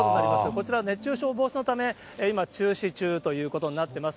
こちら熱中症防止のため、今、中止中ということになっています。